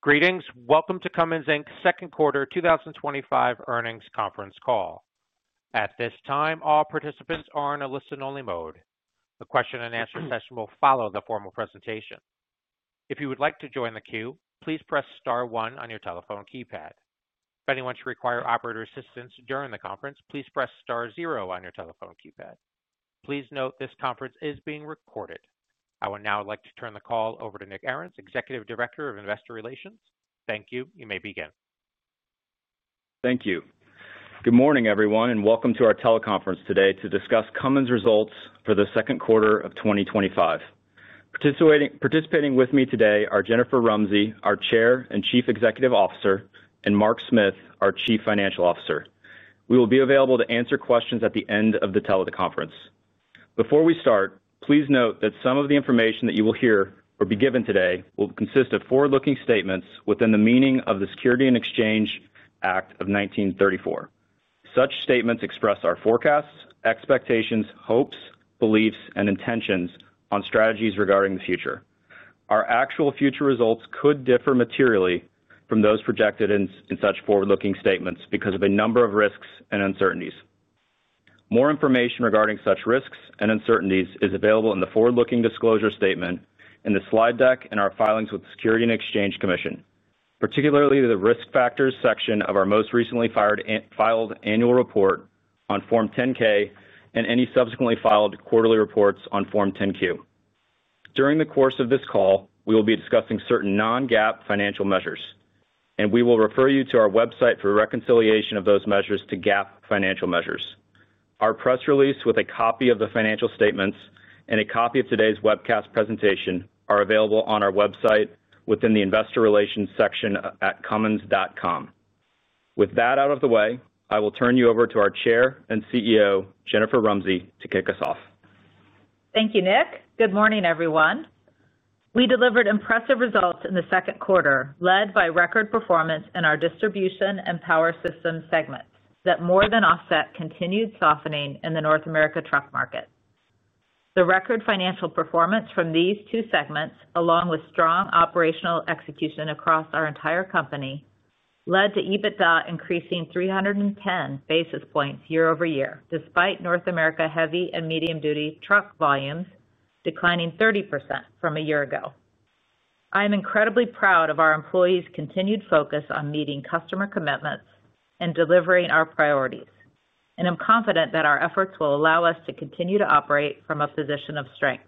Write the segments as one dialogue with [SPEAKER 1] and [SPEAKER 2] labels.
[SPEAKER 1] Greetings. Welcome to Cummins Inc. Second Quarter 2025 Earnings Conference Call. At this time, all participants are in a listen-only mode. The question and answer session will follow the formal presentation. If you would like to join the queue, please press *1 on your telephone keypad. If anyone should require operator assistance during the conference, please press *0 on your telephone keypad. Please note this conference is being recorded. I would now like to turn the call over to Nick Arens, Executive Director of Investor Relations. Thank you. You may begin.
[SPEAKER 2] Thank you. Good morning everyone and welcome to our teleconference today to discuss Cummins results for the second quarter of 2025. Participating with me today are Jennifer Rumsey, our Chair and Chief Executive Officer, and Mark Smith, our Chief Financial Officer. We will be available to answer questions at the end of the teleconference. Before we start, please note that some of the information that you will hear or be given today will consist of forward-looking statements within the meaning of the Securities and Exchange Act of 1934. Such statements express our forecasts, expectations, hopes, beliefs, and intentions on strategies regarding the future. Our actual future results could differ materially from those projected in such forward-looking statements because of a number of risks and uncertainties. More information regarding such risks and uncertainties is available in the forward-looking disclosure statement in the slide deck and our filings with the Securities and Exchange Commission, particularly the Risk Factors section of our most recently filed annual report on Form 10-K and any subsequently filed quarterly reports on Form 10-Q. During the course of this call, we will be discussing certain non-GAAP financial measures and we will refer you to our website for reconciliation of those measures to GAAP financial measures. Our press release with a copy of the financial statements and a copy of today's webcast presentation are available on our website within the Investor Relations section at cummins.com. With that out of the way, I will turn you over to our Chair and CEO Jennifer Rumsey to kick us off.
[SPEAKER 3] Thank you, Nick. Good morning, everyone. We delivered impressive results in the second quarter, led by record performance in our Distribution and Power Systems segment that more than offset continued softening in the North America truck market. The record financial performance from these two segments, along with strong operational execution across our entire company, led to EBITDA increasing 310 basis points year over year despite North America heavy and medium-duty truck volumes declining 30% from a year ago. I am incredibly proud of our employees' continued focus on meeting customer commitment and delivering our priorities, and I'm confident that our efforts will allow us to continue to operate from a position of strength.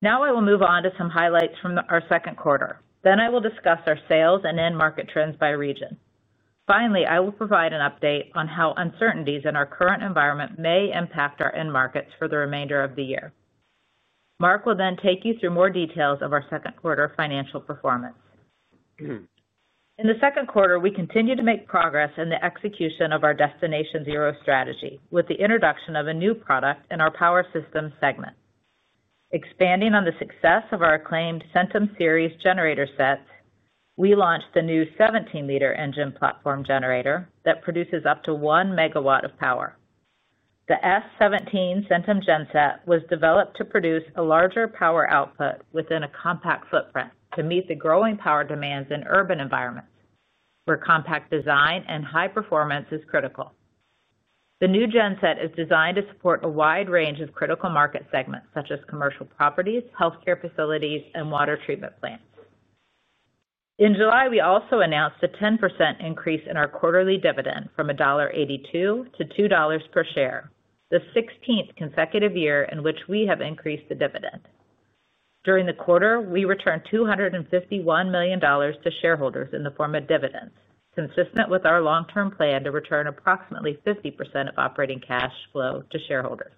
[SPEAKER 3] Now I will move on to some highlights from our second quarter. I will discuss our sales and end market trends by region. Finally, I will provide an update on how uncertainties in our current environment may impact our end markets for the remainder of the year. Mark will then take you through more details of our second quarter financial performance. In the second quarter, we continued to make progress in the execution of our Destination Zero strategy with the introduction of a new product in our Power Systems segment. Expanding on the success of our acclaimed Centum Series generator sets, we launched the new 17-liter engine platform generator that produces up to 1 megawatt of power. The S17 Centum genset was developed to produce a larger power output within a compact footprint to meet the growing power demands in urban environments where compact design and high performance is critical. The new genset is designed to support a wide range of critical market segments such as commercial properties, healthcare facilities, and water treatment plants. In July, we also announced a 10% increase in our quarterly dividend from $1.82-$2 per share, the 16th consecutive year in which we have increased the dividend. During the quarter, we returned $251 million to shareholders in the form of dividends, consistent with our long-term plan to return approximately 50% of operating cash flow to shareholders.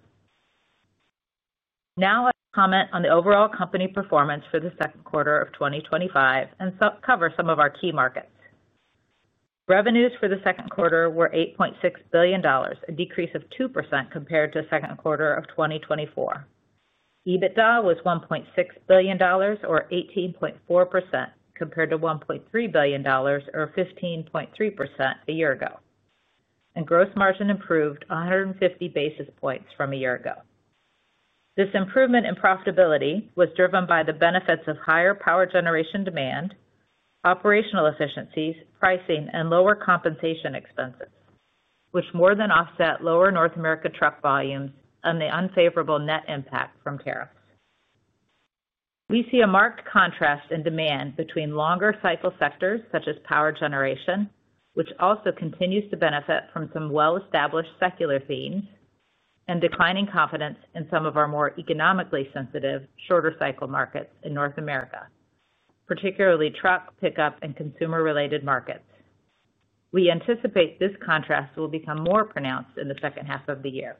[SPEAKER 3] Now I'll comment on the overall company performance for the second quarter of 2025 and cover some of our key markets. Revenues for the second quarter were $8.6 billion, a decrease of 2% compared to the second quarter of 2024. EBITDA was $1.6 billion or 18.4% compared to $1.3 billion or 15.3% a year ago, and gross margin improved 150 basis points from a year ago. This improvement in profitability was driven by the benefits of higher power generation demand, operational efficiencies, pricing, and lower compensation expenses, which more than offset lower North America truck volumes and the unfavorable net impact from tariffs. We see a marked contrast in demand between longer cycle sectors such as power generation, which also continues to benefit from some well-established secular themes, and declining confidence in some of our more economically sensitive shorter cycle markets in North America, particularly truck, pickup, and consumer-related markets. We anticipate this contrast will become more pronounced in the second half of the year.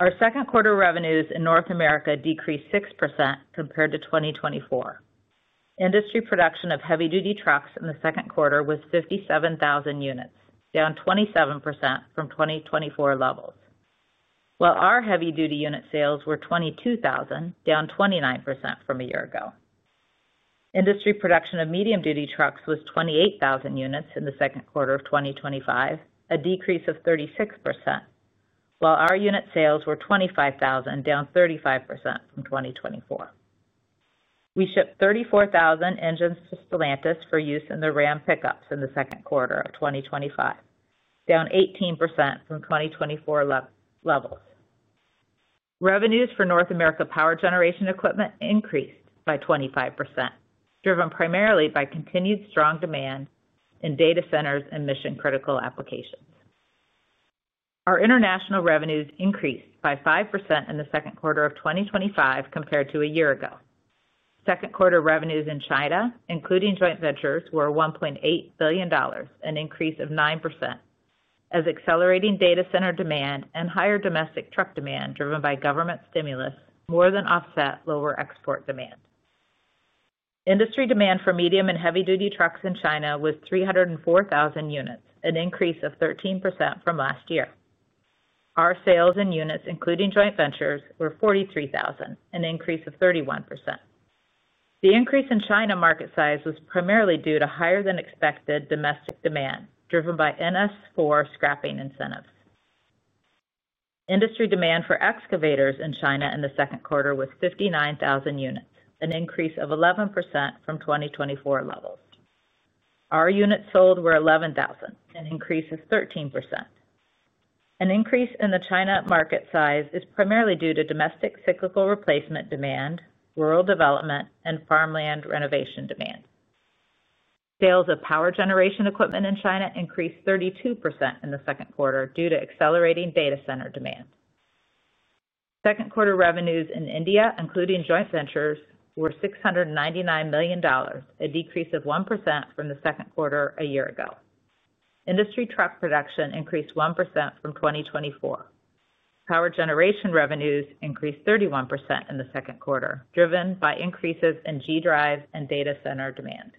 [SPEAKER 3] Our second quarter revenues in North America decreased 6% compared to 2024. Industry production of heavy duty trucks in the second quarter was 57,000 units, down 27% from 2024 levels, while our heavy duty unit sales were 22,000, down 29% from a year ago. Industry production of medium duty trucks was 28,000 units in the second quarter of 2025, a decrease of 36%, while our unit sales were 25,000, down 35% from 2024. We shipped 34,000 engines to Stellantis for use in the RAM pickups in the second quarter of 2025, down 18% from 2024 levels. Revenues for North America power generation equipment increased by 25%, driven primarily by continued strong demand in data centers and mission critical applications. Our International revenues increased by 5% in the second quarter of 2025 compared to a year ago. Second quarter revenues in China, including joint ventures, were $1.8 billion, an increase of 9% as accelerating data center demand and higher domestic truck demand driven by government stimulus more than offset lower export demand. Industry demand for medium and heavy duty trucks in China was 304,000 units, an increase of 13% from last year. Our sales in units, including joint ventures, were 43,000, an increase of 31%. The increase in China market size was primarily due to higher than expected domestic demand driven by NS4 scrapping incentives. Industry demand for excavators in China in the second quarter was 59,000 units, an increase of 11% from 2024 levels. Our units sold were 11,000, an increase of 13%. An increase in the China market size is primarily due to domestic cyclical replacement demand, rural development, and farmland renovation demand. Sales of power generation equipment in China increased 32% in the second quarter due to accelerating data center demand. Second quarter revenues in India, including joint ventures, were $699 million, a decrease of 1% from the second quarter a year ago. Industry truck production increased 1% from 2024. Power generation revenues increased 31% in the second quarter, driven by increases in G drive and data center demand.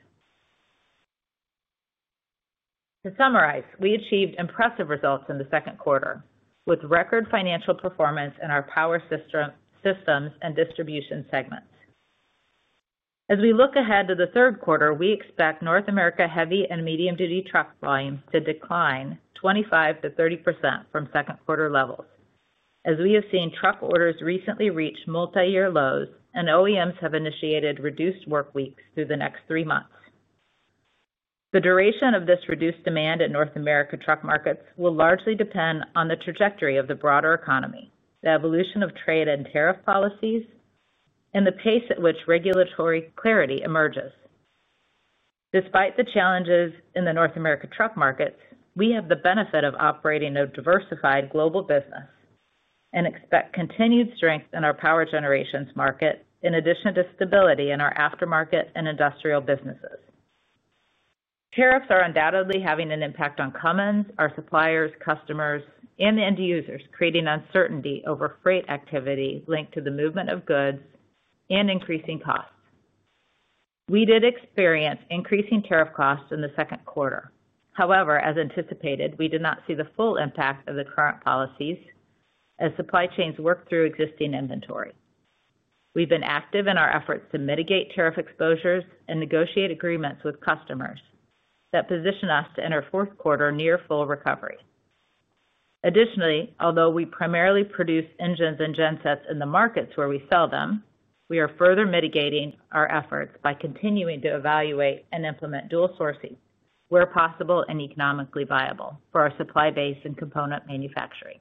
[SPEAKER 3] To summarize, we achieved impressive results in the second quarter with record financial performance in our power systems and distribution segments. As we look ahead to the third quarter, we expect North America heavy and medium-duty truck volumes to decline 25%-30% from second quarter levels. We have seen truck orders recently reach multi-year lows, and OEMs have initiated reduced work weeks through the next three months. The duration of this reduced demand at North America truck markets will largely depend on the trajectory of the broader economy, the evolution of trade and tariff policies, and the pace at which regulatory clarity emerges. Despite the challenges in the North America truck market, we have the benefit of operating a diversified global business and expect continued strength in our power generation market. In addition to stability in our aftermarket and industrial businesses, tariffs are undoubtedly having an impact on Cummins Inc., our suppliers, customers, and end users, creating uncertainty over freight activity linked to the movement of goods and increasing costs. We did experience increasing tariff costs in the second quarter. However, as anticipated, we did not see the full impact of the current policies as supply chains worked through existing inventory. We've been active in our efforts to mitigate tariff exposures and negotiate agreements with customers that position us to enter fourth quarter near full recovery. Additionally, although we primarily produce engines and gensets in the markets where we sell them, we are further mitigating our efforts by continuing to evaluate and implement dual sourcing where possible and economically viable for our supply base and component manufacturing.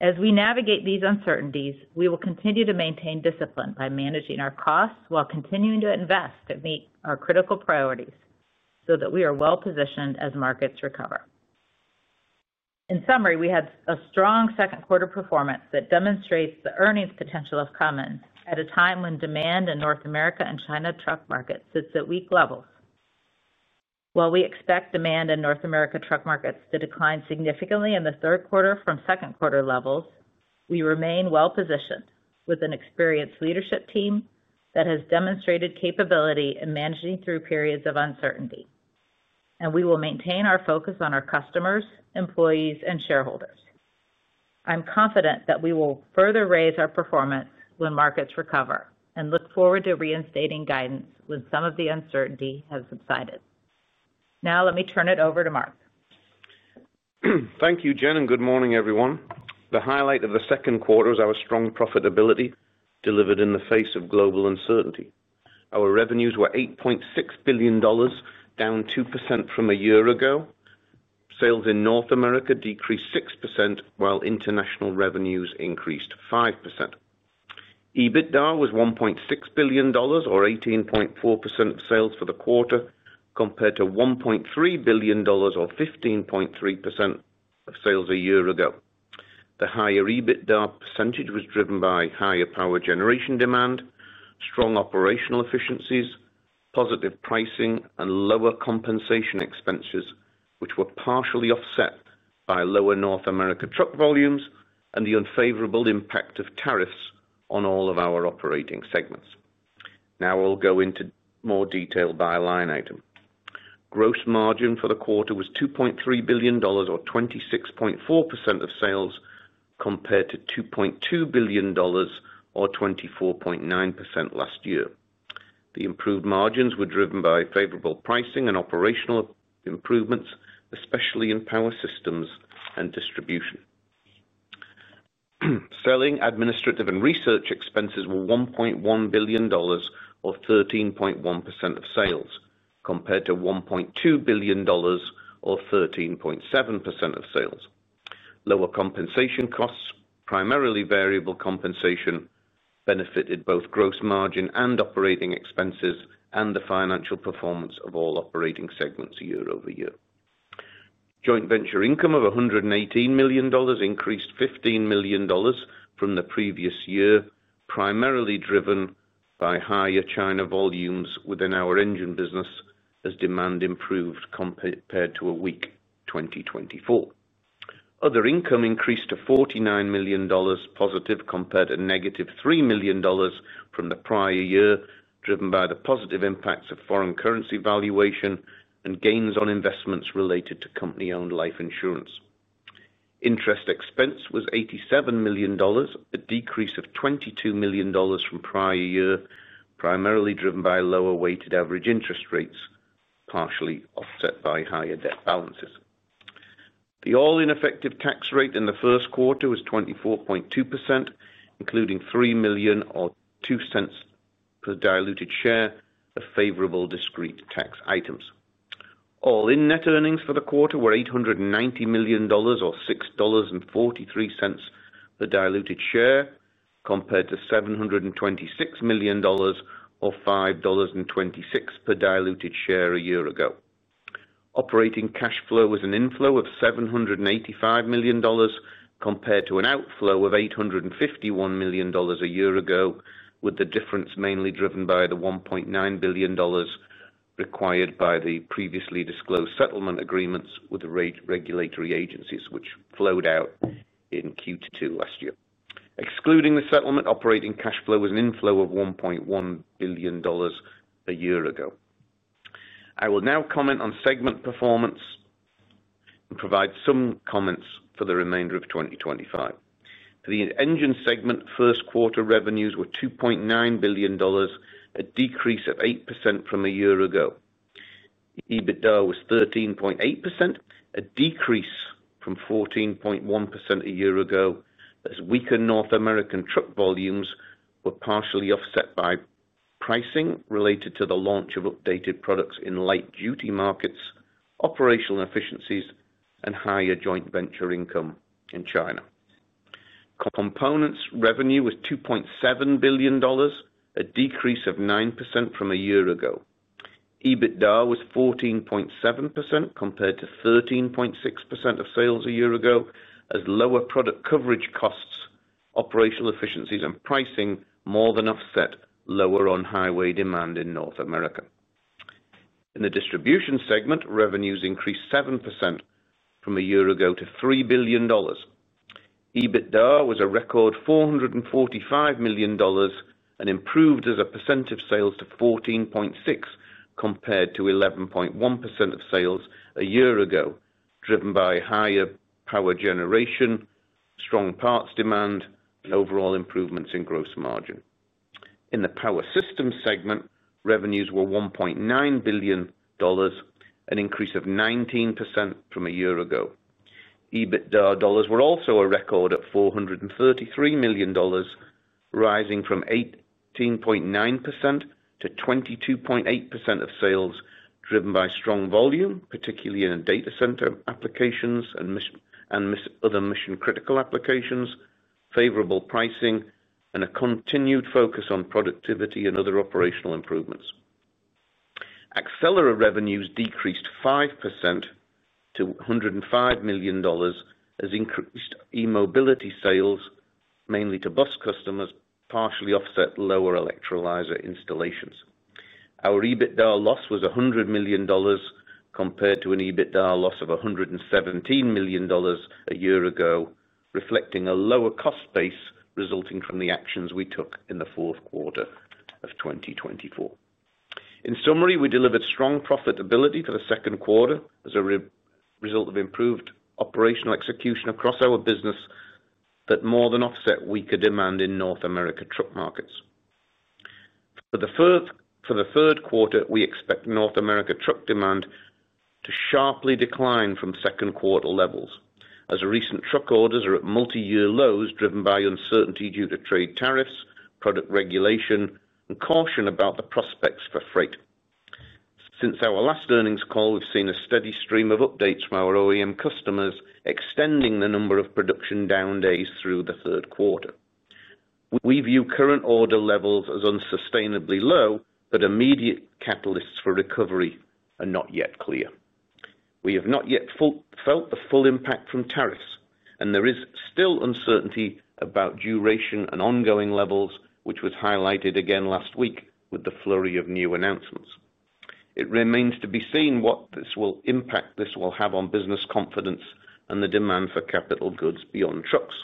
[SPEAKER 3] As we navigate these uncertainties, we will continue to maintain discipline by managing our costs while continuing to invest to meet our critical priorities so that we are well positioned as markets recover. In summary, we had a strong second quarter performance that demonstrates the earnings potential of Cummins Inc. at a time when demand in North America and China truck market sits at weak levels. While we expect demand in North America truck markets to decline significantly in the third quarter from second quarter levels, we remain well positioned with an experienced leadership team that has demonstrated capability in managing through periods of uncertainty, and we will maintain our focus on our customers, employees, and shareholders. I'm confident that we will further raise our performance when markets recover and look forward to reinstating guidance when some of the uncertainty has subsided. Now let me turn it over to Mark.
[SPEAKER 4] Thank you, Jen, and good morning everyone. The highlight of the second quarter is our strong profitability delivered in the face of global uncertainty. Our revenues were $8.6 billion, down 2% from a year ago. Sales in North America decreased 6% while international revenues increased 5%. EBITDA was $1.6 billion, or 18.4% of sales for the quarter, compared to $1.3 billion or 15.3% of sales a year ago. The higher EBITDA percentage was driven by higher power generation demand, strong operational efficiencies, positive pricing, and lower compensation expenses, which were partially offset by lower North America truck volumes and the unfavorable impact of tariffs on all of our operating segments. Now, I'll go into more detail by line item. Gross margin for the quarter was $2.3 billion, or 26.4% of sales, compared to $2.2 billion, or 24.9% last year. The improved margins were driven by favorable pricing and operational improvements, especially in power systems and distribution. Selling, administrative, and research expenses were $1.1 billion or 13.1% of sales compared to $1.2 billion or 13.7% of sales. Lower compensation costs, primarily variable compensation, benefited both gross margin and operating expenses and the financial performance of all operating segments year over year. Joint venture income of $118 million increased $15 million from the previous year, primarily driven by higher China volumes within our engine business as demand improved compared to a weak 2024. Other income increased to $49 million positive compared to negative $3 million from the prior year, driven by the positive impacts of foreign currency valuation and gains on investments related to company-owned life insurance. Interest expense was $87 million, a decrease of $22 million from prior year, primarily driven by lower weighted average interest rates partially offset by higher debt balances. The all-in effective tax rate in the first quarter was 24.2%, including $3 million or $0.02 per diluted share of favorable discrete tax items. All-in net earnings for the quarter were $890 million or $6.43 per diluted share compared to $726 million or $5.26 per diluted share a year ago. Operating cash flow was an inflow of $785 million compared to an outflow of $851 million a year ago, with the difference mainly driven by the $1.9 billion required by the previously disclosed settlement agreements with the regulatory agencies which flowed out in Q2 last year. Excluding the settlement, operating cash flow was an inflow of $1.1 billion a year ago. I will now comment on segment performance and provide some comments for the remainder of 2025. For the engine segment, first quarter revenues were $2.9 billion, a decrease of 8% from a year ago. EBITDA was 13.8%, a decrease from 14.1% a year ago as weaker North American truck volumes were partially offset by pricing related to the launch of updated products in light duty markets, operational efficiencies, and higher joint venture income in China. Components revenue was $2.7 billion, a decrease of 9% from a year ago. EBITDA was 14.7% compared to 13.6% of sales a year ago as lower product coverage costs, operational efficiencies, and pricing more than offset lower on-highway demand in North America. In the distribution segment, revenues increased 7% from a year ago to $3 billion. EBITDA was a record $445 million and improved as a percent of sales to 14.6% compared to 11.1% of sales a year ago, driven by higher power generation, strong parts demand, and overall improvements in gross margin. In the power systems segment, revenues were $1.9 billion, an increase of 19% from a year ago. EBITDA dollars were also a record at $433 million, rising from 18.9%-22.8% of sales, driven by strong volume, particularly in data center and other mission critical applications, favorable pricing, and a continued focus on productivity and other operational improvements. Accelera revenues decreased 5% to $105 million as increased E-mobility sales, mainly to bus customers, partially offset lower electrolyzer installations. Our EBITDA loss was $100 million compared to an EBITDA loss of $117 million a year ago, reflecting a lower cost base resulting from the actions we took in the fourth quarter of 2024. In summary, we delivered strong profitability for the second quarter as a result of improved operational execution across our business that more than offset weaker demand in North America truck markets. For the third quarter, we expect North America truck demand to sharply decline from second quarter levels as recent truck orders are at multi-year lows driven by uncertainty due to trade tariffs, product regulation, and caution about the prospects for freight. Since our last earnings call, we've seen a steady stream of updates from our OEM customers extending the number of production down days through the third quarter. We view current order levels as unsustainably low, but immediate catalysts for recovery are not yet clear. We have not yet felt the full impact from tariffs, and there is still uncertainty about duration and ongoing levels, which was highlighted again last week with the flurry of new announcements. It remains to be seen what this will impact. This will have on business confidence and the demand for capital goods beyond trucks.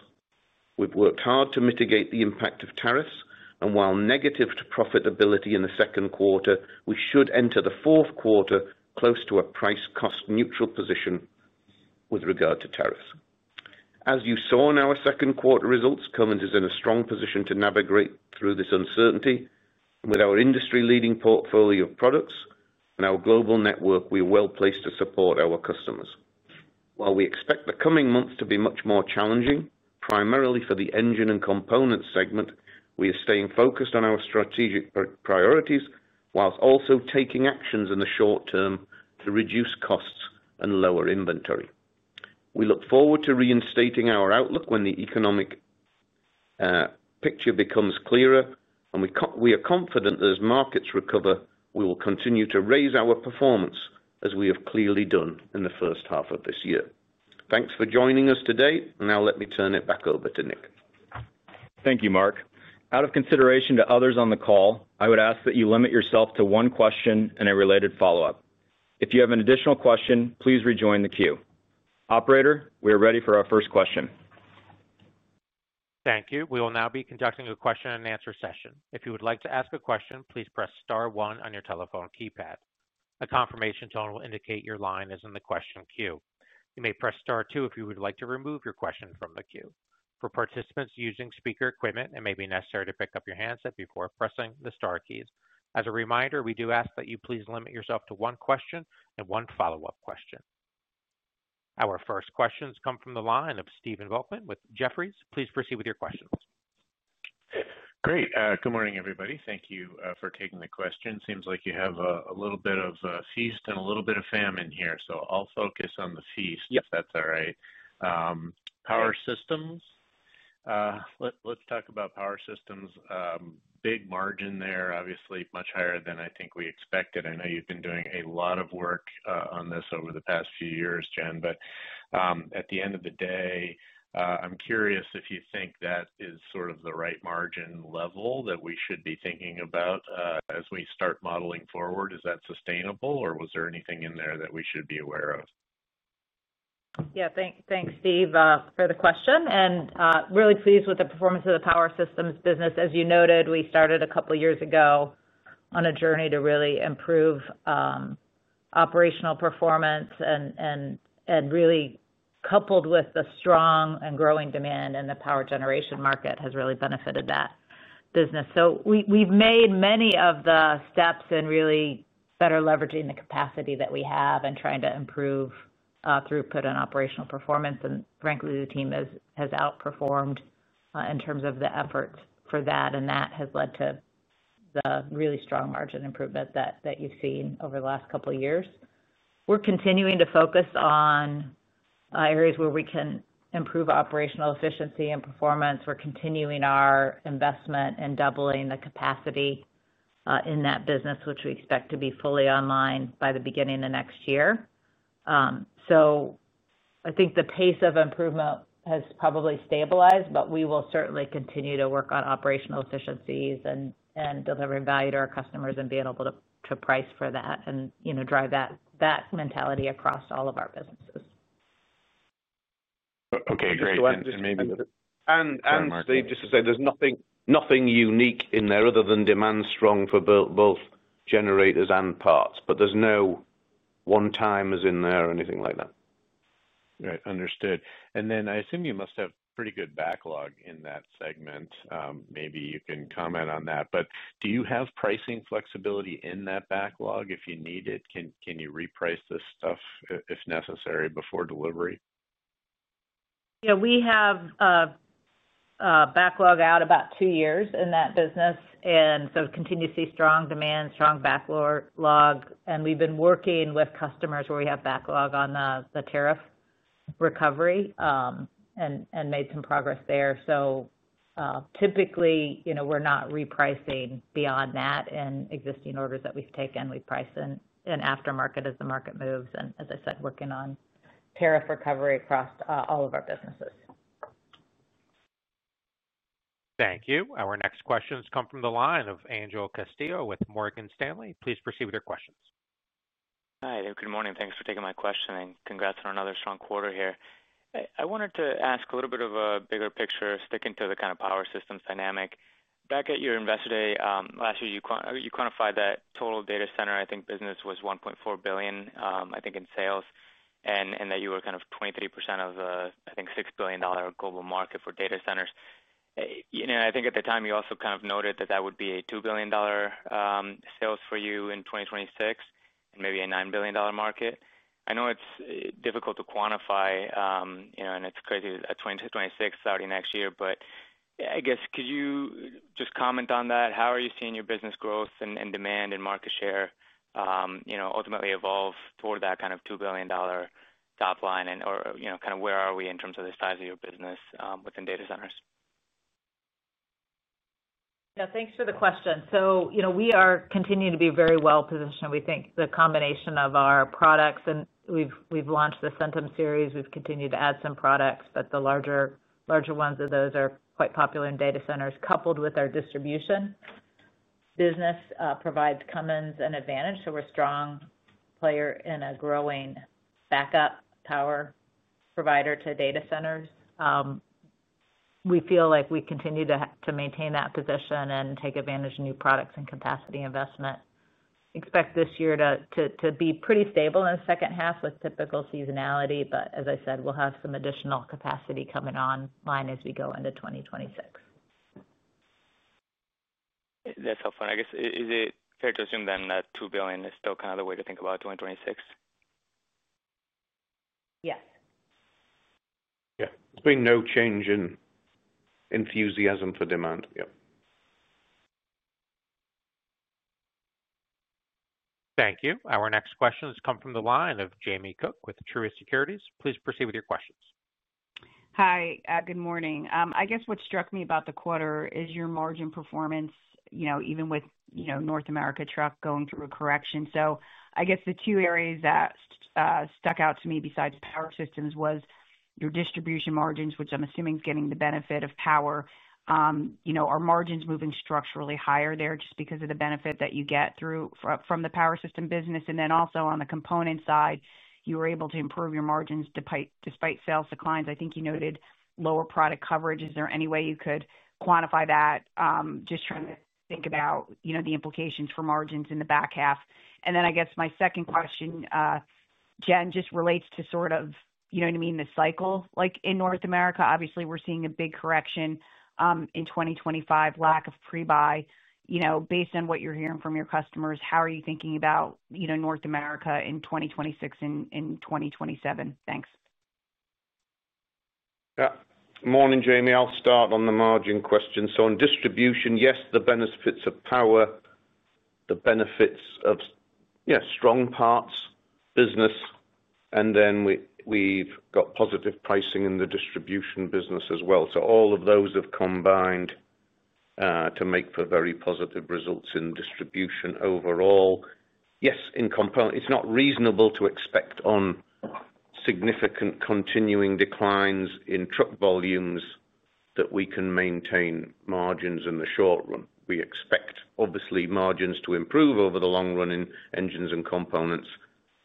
[SPEAKER 4] We've worked hard to mitigate the impact of tariffs, and while negative to profitability in the second quarter, we should enter the fourth quarter close to a price-cost neutral position with regard to tariffs. As you saw in our second quarter results, Cummins Inc. is in a strong position to navigate through this uncertainty. With our industry-leading portfolio of products and our global network, we are well placed to support our customers. While we expect the coming months to be much more challenging, primarily for the engine and components segment, we are staying focused on our strategic priorities whilst also taking actions in the short term to reduce costs and lower inventory. We look forward to reinstating our outlook when the economic picture becomes clearer, and we are confident as markets recover we will continue to raise our performance as we have clearly done in the first half of this year. Thanks for joining us today. Now let me turn it back over to Nick.
[SPEAKER 2] Thank you, Mark. Out of consideration to others on the call, I would ask that you limit yourself to one question and a related follow-up. If you have an additional question, please rejoin the queue. Operator, we are ready for our first question.
[SPEAKER 1] Thank you. We will now be conducting a question and answer session. If you would like to ask a question, please press star one on your telephone keypad. A confirmation tone will indicate your line is in the question queue. You may press star two if you would like to remove your question from the queue. For participants using speaker equipment, it may be necessary to pick up your handset before pressing the star keys. As a reminder, we do ask that you please limit yourself to one question and one follow-up question. Our first questions come from the line of Stephen Volkmann with Jefferies. Please proceed with your questions.
[SPEAKER 5] Great. Good morning, everybody. Thank you for taking the question. Seems like you have a little bit of feast and a little bit of famine here, so I'll focus on the feast, if that's all right. Power systems. Let's talk about power systems. Power systems. Let's talk about power systems. Big margin there, obviously much higher than I think we expected. I know you've been doing a lot of work on this over the past few years, Jen, but at the end of the day, I'm curious if you think that is sort of the right margin level that we should be thinking about as we start modeling forward. Is that sustainable, or was there anything in there that we should be aware of?
[SPEAKER 3] Yeah, thanks Steve, for the question and really pleased with the performance of the power systems business. As you noted, we started a couple years ago on a journey to really improve operational performance and really coupled with the strong and growing demand and the power generation market has really benefited that business. We've made many of the steps that are leveraging the capacity that we have and trying to improve throughput and operational performance. Frankly, the team has outperformed in terms of the efforts for that and that has led to the really strong margin improvement that you've seen over the last couple of years. We're continuing to focus on areas where we can improve operational efficiency and performance. We're continuing our investment and doubling the capacity in that business, which we expect to be fully online by the beginning of next year. I think the pace of improvement has probably stabilized, but we will certainly continue to work on operational efficiencies and delivering value to our customers and being able to price for that and drive that mentality across all of our businesses.
[SPEAKER 5] Okay, great.
[SPEAKER 4] There's nothing unique in there other than demand strong for both generators and parts. There's no one timers in there or anything like that.
[SPEAKER 5] Right, understood. I assume you must have pretty good backlog in that segment. Maybe you can comment on that. Do you have pricing flexibility in that backlog if you need it? Can you reprice this stuff if necessary before delivery?
[SPEAKER 3] Yeah, we have backlog out about two years in that business and continue to see strong demand, strong backlog, and we've been working with customers where we have backlog on the tariff recovery and made some progress there. Typically, you know, we're not repricing beyond that, and existing orders that we've taken we price in aftermarket as the market moves, and as I said, working on tariff recovery across all of our businesses.
[SPEAKER 1] Thank you. Our next questions come from the line of Angel Castillo with Morgan Stanley. Please proceed with your questions.
[SPEAKER 6] Hi, good morning. Thanks for taking my question and congrats on another strong quarter here. I wanted to ask a little bit of a bigger picture sticking to the kind of power systems dynamic. Back at your investor day last year you quantified that total data center, I think business was $1.4 billion, I think in sales and that you were kind of 23% of, I think, $6 billion global market for data centers. I think at the time you also kind of noted that that would be a $2 billion sales for you in 2026 and maybe a $9 billion market. I know it's difficult to quantify and it's crazy 2026 starting next year. I guess could you just comment on that? How are you seeing your business growth and demand and market share ultimately evolve toward that kind of $2 billion top line and or kind of where are we in terms of the size of your business within data centers?
[SPEAKER 3] Thanks for the question. We are continuing to be very well positioned. We think the combination of our products, and we've launched the Centum Series, we've continued to add some products, but the larger ones of those are quite popular in data centers. Coupled with our distribution business, this provides Cummins Inc. an advantage. We're a strong player in a growing backup power provider to data centers. We feel like we continue to maintain that position and take advantage of new products and capacity investment. We expect this year to be pretty stable in the second half with typical seasonality. As I said, we'll have some additional capacity coming online as we go into 2026.
[SPEAKER 6] That's so fun. I guess is it fair to assume then that $2 billion is still kind of the way to think about 2026.
[SPEAKER 3] Yes.
[SPEAKER 4] Yeah. No change in enthusiasm for demand.
[SPEAKER 1] Thank you. Our next question has come from the line of Jamie Cook with Truist Securities. Please proceed with your questions.
[SPEAKER 7] Hi, good morning. I guess what struck me about the quarter is your margin performance, even with North America truck going through a correction. The two areas that stuck out to me besides power systems was your distribution margins, which I'm assuming is getting the benefit of power. Are margins moving structurally higher there just because of the benefit that you get through from the power system business? Also, on the component side, you were able to improve your margins despite sales declines. I think you noted lower product coverage. Is there any way you could quantify that? Just trying to think about the implications for margins in the back half. My second question, Jen, just relates to the cycle. In North America, obviously we're seeing a big correction in 2025. Lack of pre buy, based on what you're hearing from your customers, how are you thinking about North America in 2026 and in 2027? Thanks.
[SPEAKER 4] Morning, Jamie. I'll start on the margin question. On distribution, yes, the benefits of power, the benefits of, yeah, strong parts business, and then we've got positive pricing in the distribution business as well. All of those have combined to make for very positive results in distribution overall. Yes, in component, it's not reasonable to expect on significant continuing declines in truck volumes that we can maintain margins in the short run. We expect obviously margins to improve over the long run in engines and components.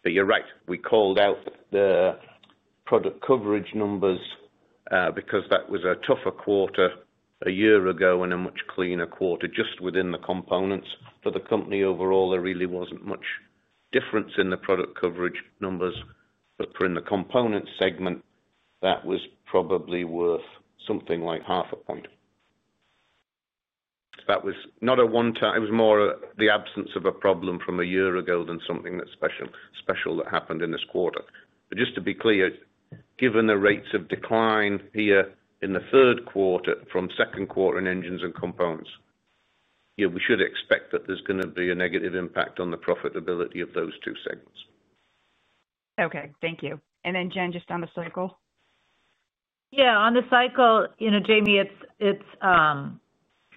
[SPEAKER 4] You're right, we called out the product coverage numbers because that was a tougher quarter a year ago and a much cleaner quarter just within the components for the company. Overall, there really wasn't much difference in the product coverage numbers, but in the component segment, that was probably worth something like half a point. That was not a one-time. It was more the absence of a problem from a year ago than something that's special that happened in this quarter. Just to be clear, given the rates of decline here in the third quarter from second quarter in engines and components, we should expect that there's going to be a negative impact on the profitability of those two segments.
[SPEAKER 7] Okay, thank you. Jen, just on the cycle.
[SPEAKER 3] Yeah, on the cycle. Jamie, it's,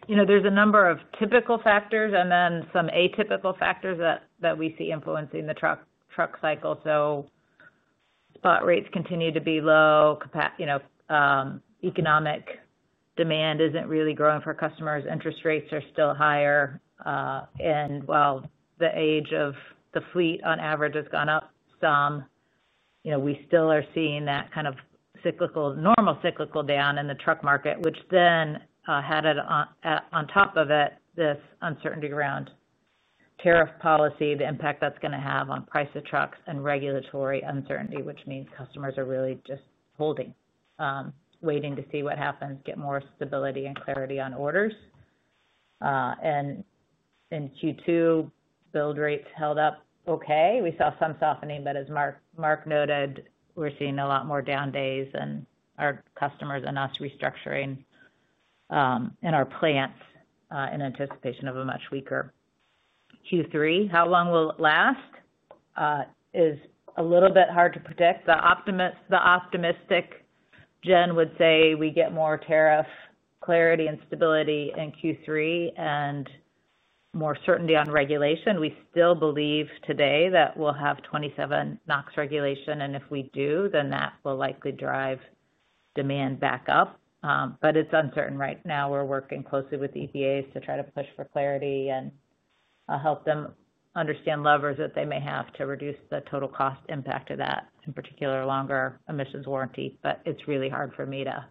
[SPEAKER 3] you know, there's a number of typical factors and then some atypical factors that we see influencing the truck cycle. Spot rates continue to be low. Economic demand isn't really growing for customers. Interest rates are still higher. While the age of the fleet on average has gone up some, we still are seeing that kind of cyclical, normal cyclical down in the truck market which then had on top of it this uncertainty around tariff policy, the impact that's going to have on price of trucks and regulatory uncertainty, which means customers are really just holding, waiting to see what happens, get more stability and clarity on orders. In Q2 build rates held up okay. We saw some softening, but as Mark noted, we're seeing a lot more down days and our customers and us restructuring in our plants in anticipation of a much weaker Q3. How long will it last? Is a little bit hard to predict. The optimistic Jen would say we get more tariff clarity and stability in Q3 and more certainty on regulation. We still believe today that we'll have 2027 NOx regulation and if we do then that will likely drive demand back up. It's uncertain right now. We're working closely with the EPA to try to push for clarity and help them understand levers that they may have to reduce the total cost impact of that, in particular longer emissions warranty. It's really hard for me to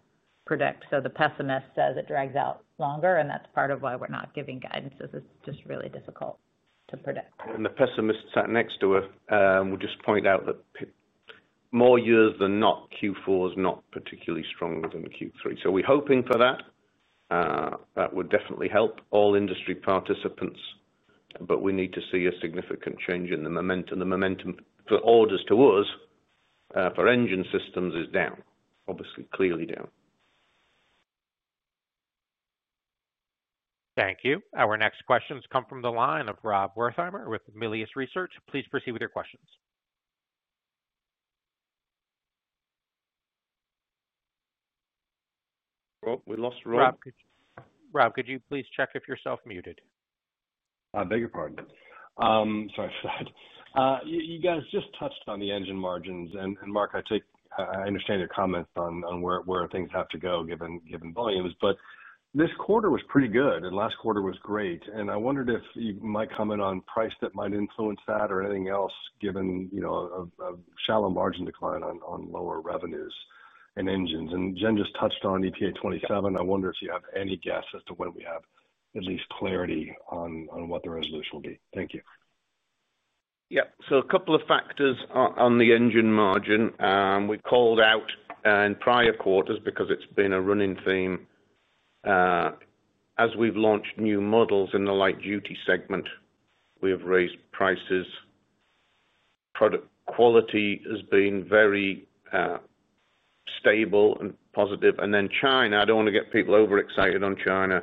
[SPEAKER 3] predict. The pessimist says it drags out longer and that's part of why we're not giving guidance. It's just really difficult to predict.
[SPEAKER 4] The pessimist sat next to her. We'll just point out that more years than not, Q4 is not particularly stronger than Q3. We're hoping for that. That would definitely help all industry participants. We need to see a significant change in the momentum. The momentum for orders to us for engine systems is down, obviously. Clearly down.
[SPEAKER 1] Thank you. Our next questions come from the line of Rob Wertheimer with Melius Research. Please proceed with your questions.
[SPEAKER 4] We lost Rob.
[SPEAKER 1] Rob, could you please check if you're self muted?
[SPEAKER 8] I beg your pardon? Sorry. You guys just touched on the engine margins. Mark, I take, I understand your comments on where things have to go given volumes. This quarter was pretty good. Last quarter was great. I wondered if you might comment on price that might influence that or anything else given a shallow margin decline. On lower revenues and engines. Jen just touched on EPA 2027. I wonder if you have any guess. As to when we have at least. Clarity on what the resolution will be. Thank you.
[SPEAKER 4] A couple of factors on the engine margin we called out in prior quarters because it's been a running theme as we've launched new models in the light duty segment. We have raised prices, product quality has been very stable and positive. China, I don't want to get people over excited on China,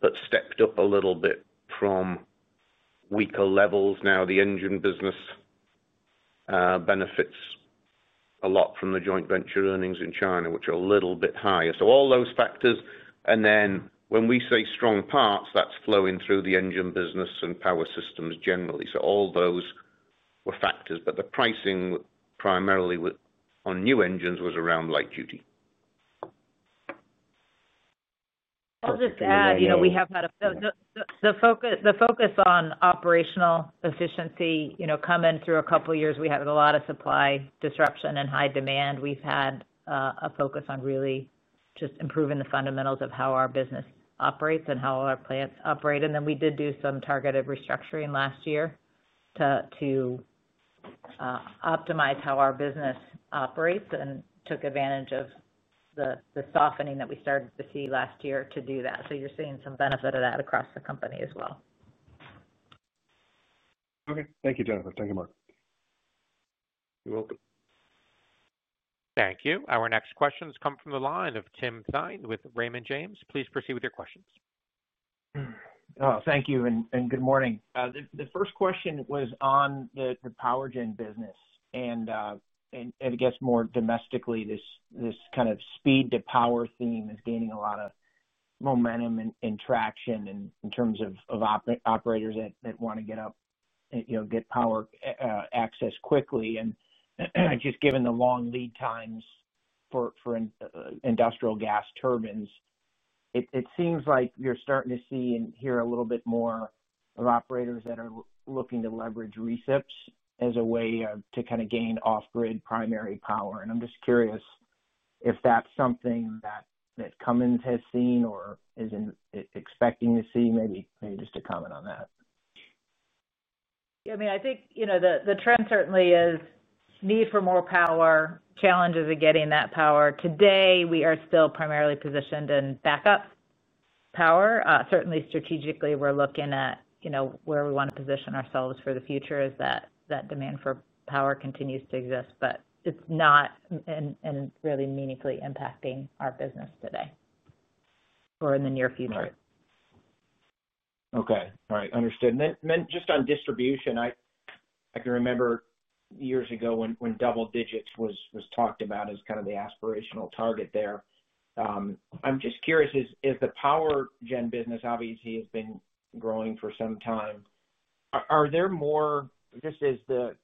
[SPEAKER 4] but stepped up a little bit from weaker levels. The engine business benefits a lot from the joint venture earnings in China which are a little bit higher. All those factors and when we say strong parts that's flowing through the engine business and power systems generally. All those were factors but the pricing primarily on new engines was around light duty.
[SPEAKER 3] I'll just add, you know, we have had the focus, the focus on operational efficiency, you know, come in through a couple of years. We had a lot of supply disruption and high demand. We've had a focus on really just improving the fundamentals of how our business operates and how our plants operate. We did do some targeted restructuring last year to optimize how our business operates and took advantage of the softening that we started to see last year to do that. You're seeing some benefit of that across the company as well.
[SPEAKER 8] Okay, thank you, Jennifer. Thank you, Mark.
[SPEAKER 4] You're welcome.
[SPEAKER 1] Thank you. Our next questions come from the line of Tim Thein with Raymond James. Please proceed with your questions.
[SPEAKER 9] Thank you and good morning. The first question was on the power generation business and I guess more domestically this kind of speed to power theme is gaining a lot of momentum and traction in terms of operators that want to get up, you know, get power access quickly. Given the long lead times for industrial gas turbines, it seems like you're starting to see and hear a little bit more of operators that are looking to leverage recips as a way to kind of gain off grid primary power. I'm just curious if that's something that Cummins has seen or is expecting to see. Maybe just a comment on that.
[SPEAKER 3] I think the trend certainly is need for more power, challenges of getting that power today. We are still primarily positioned in backup power. Certainly, strategically we're looking at where we want to position ourselves for the future as that demand for power continues to exist, but it's not really meaningfully impacting our business today or in the near future.
[SPEAKER 9] Okay, all right, understood. Just on distribution, I can remember years ago when double digits was talked about as kind of the aspirational target there. I'm just curious, as the power generation business obviously has been growing for some time, are there more, just as the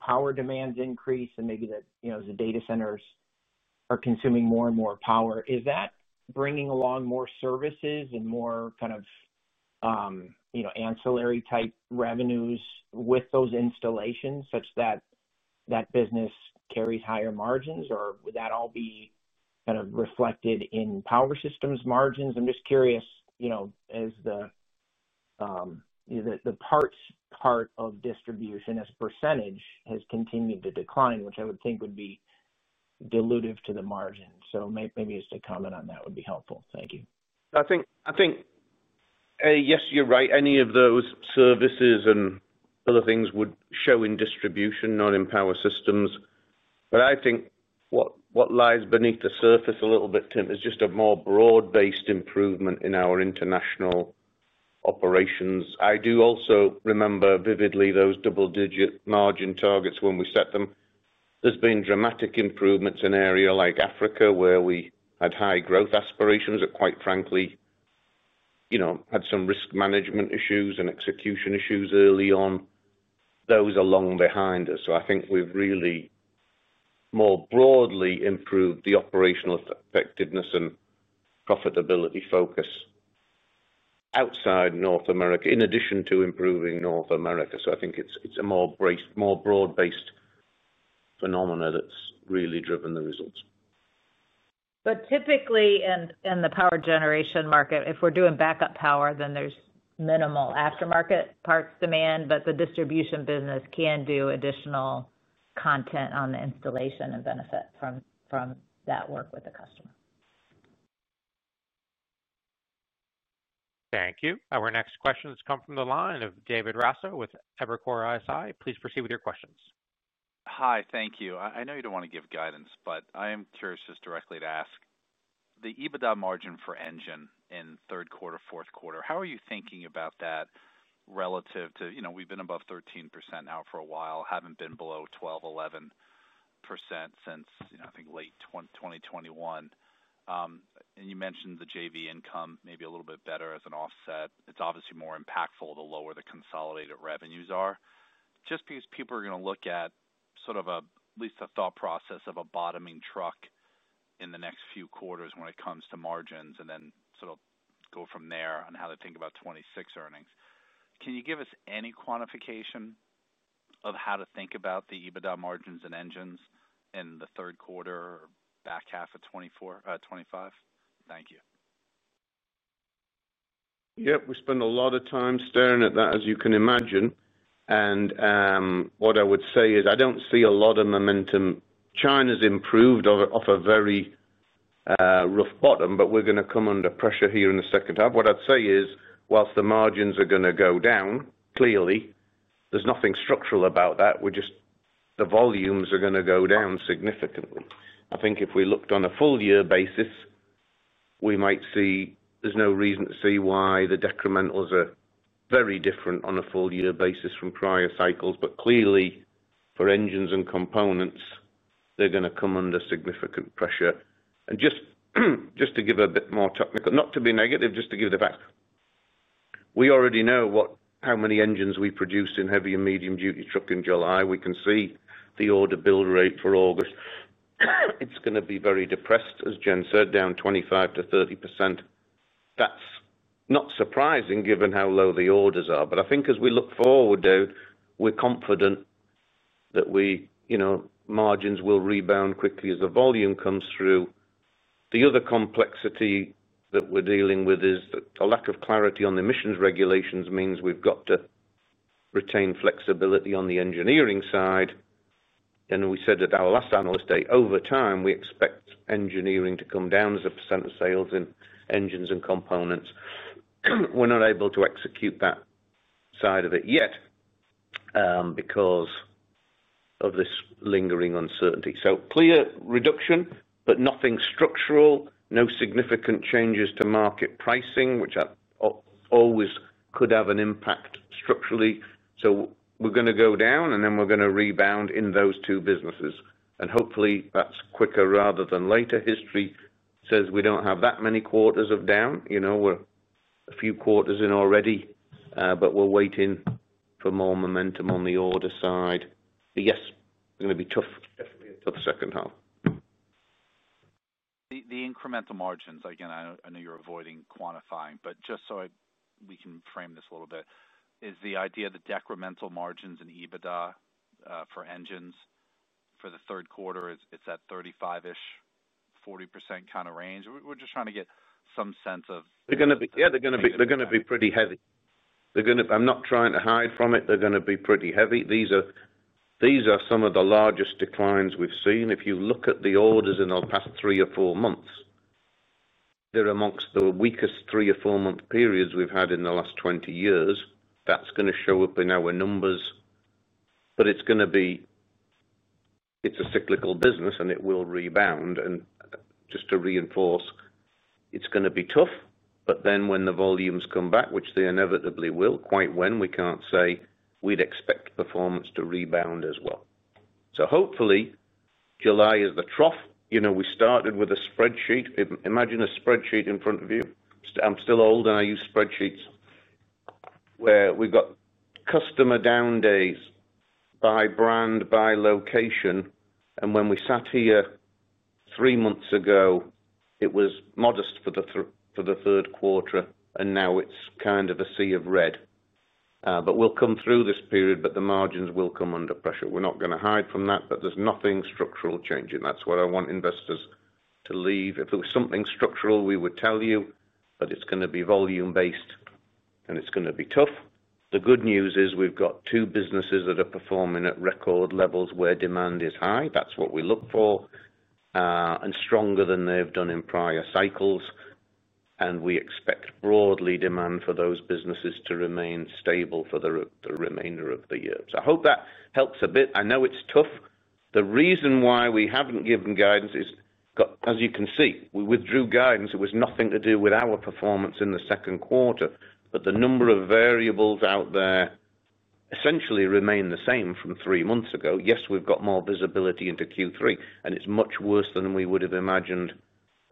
[SPEAKER 9] power demands increase and maybe as the data centers are consuming more and more power, is that bringing along more services and more kind of ancillary type revenues with those installations such that that business carries higher margins, or would that all be kind of reflected in power systems margins? I'm just curious, as the parts part of distribution as a percentage has continued to decline, which I would think would be dilutive to the margin. Maybe just to comment on that would be helpful, thank you.
[SPEAKER 4] I think yes, you're right. Any of those services and other things would show in Distribution, not in Power Systems. I think what lies beneath the surface a little bit, Tim, is just a more broad-based improvement in our international operations. I do also remember vividly those double-digit margin targets when we set them. There have been dramatic improvements in areas like Africa where we had high growth aspirations that, quite frankly, had some risk management issues and execution issues early on. Those are long behind us. I think we've really more broadly improved the operational effectiveness and profitability focus outside North America in addition to improving North America. I think it's a more broad-based approach phenomenon that's really driven the results.
[SPEAKER 3] Typically in the power generation market, if we're doing backup power, then there's minimal aftermarket parts demand. The distribution business can do additional content on the installation and benefit from that work with the customer.
[SPEAKER 1] Thank you. Our next questions come from the line of David Raso with Evercore ISI. Please proceed with your questions.
[SPEAKER 10] Hi. Thank you. I know you don't want to give guidance but I am curious just directly to ask the EBITDA margin for engine in third quarter, fourth quarter, how are you thinking about that relative to, you know, we've been above 13% now for a while, haven't been below 12%, 11% since I think late 2021. You mentioned the JV income maybe a little bit better as an offset. It's obviously more impactful the lower the consolidated revenues are just because people are going to look at sort of at least a thought process of a bottoming truck in the next few quarters when it comes to margins and then sort of go from there on how to think about 2026 earnings. Can you give us any quantification of how to think about the EBITDA margins and engines in the third quarter or back half of 2024, 2025? Thank you.
[SPEAKER 4] Yep. We spend a lot of time staring at that as you can imagine. What I would say is I don't see a lot of momentum. China's improved off a very rough bottom, but we're going to come under pressure here in the second half. What I'd say is whilst the margins are going to go down clearly, there's nothing structural about that. We're just, the volumes are going to go down significantly. I think if we looked on a full year basis we might see. There's no reason to see why the decrementals are very different on a full year basis from prior cycles. Clearly for engines and components they're going to come under significant pressure. Just to give a bit more technical, not to be negative, just to give the fact we already know how many engines we produced in heavy and medium-duty truck in July. We can see the order build rate for August, it's going to be very depressed. As Jen said, down 25 to 30%. That's not surprising given how low the orders are. I think as we look forward, Dave, we're confident that we, you know, margins will rebound quickly as the volume comes through. The other complexity that we're dealing with is that a lack of clarity on the emissions regulations means we've got to retain flexibility on the engineering side. We said at our last analyst day, over time we expect engineering to come down as a percent of sales in engines and components. We're not able to execute that side of it yet because of this lingering uncertainty. Clear reduction, but nothing structural. No significant changes to market pricing which always could have an impact structurally. We're going to go down and then we're going to rebound in those two businesses and hopefully that's quicker rather than later. History says we don't have that many quarters of down. We're a few quarters in already, but we're waiting for more momentum on the order side. Yes, we're going to be tough, definitely a tough second half.
[SPEAKER 10] The incremental margins, again, I know you're avoiding quantifying, but just so we can frame this a little bit, is the idea the decremental margins in EBITDA for engines for the third quarter, it's at 35%, 40% kind of range. We're just trying to get some sense of.
[SPEAKER 4] They're going to be. Yeah, they're going to be. They're going to be pretty heavy. I'm not trying to hide from it, they're going to be pretty heavy. These are some of the largest declines we've seen. If you look at the orders in the past three or four months, they're amongst the weakest three or four month periods we've had in the last 20 years. That's going to show up in our numbers, but it's a cyclical business and it will rebound. Just to reinforce, it's going to be tough. When the volumes come back, which they inevitably will, quite when we can't say, we'd expect performance to rebound as well. Hopefully July is the trough. We started with a spreadsheet. Imagine a spreadsheet in front of you. I'm still old and I use spreadsheets where we've got customer down days by brand, by location. When we sat here three months ago, it was modest for the third quarter and now it's kind of a sea of red. We'll come through this period, but the margins will come under pressure. We're not going to hide from that. There's nothing structural changing. That's what I want investors, us, to leave. If there was something structural, we would tell you, but it's going to be volume based and it's going to be tough. The good news is we've got two businesses that are performing at record levels where demand is high. That's what we look for and stronger than they've done in prior cycles. We expect broadly demand for those businesses to remain stable for the remainder of the year. I hope that helps a bit. I know it's tough. The reason why we haven't given guidance is, as you can see, we withdrew guidance. It was nothing to do with our performance in the second quarter. The number of variables out there essentially remain the same from three months ago. Yes, we've got more visibility into Q3 and it's much worse than we would have imagined